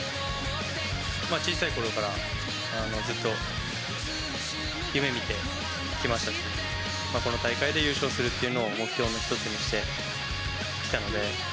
小さいころから、ずっと夢みてきましたし、この大会で優勝するっていうのを目標の一つにしてきたので。